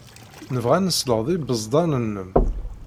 Nebɣa ad nesleḍ ibeẓḍan-nnem.